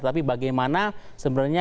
tapi bagaimana sebenarnya